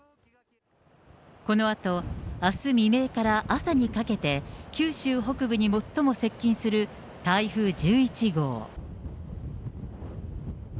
このあとあす未明から朝にかけて、九州北部に最も接近する台風１１号。